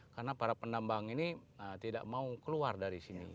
karena para penambang ini mereka juga berpikir kita harus mencari perhutanan sosial